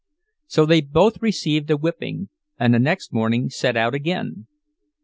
So they both received a whipping, and the next morning set out again.